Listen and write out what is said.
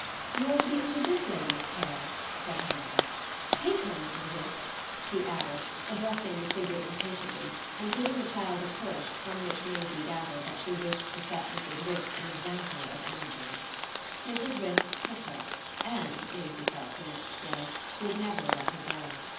"You're to be under this lady's care," said her mother. "Take her, Mrs. Wix," she added, addressing the figure impatiently and giving the child a push from which Maisie gathered that she wished to set Mrs. Wix an example of energy. Mrs. Wix took her and, Maisie felt the next day, would never let her go.